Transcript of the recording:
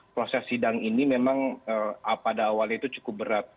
proses sidang ini memang pada awalnya itu cukup berat